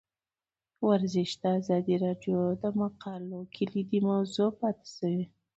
ورزش د ازادي راډیو د مقالو کلیدي موضوع پاتې شوی.